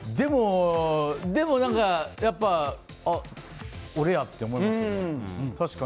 でも、やっぱあ、俺やって思いますよね。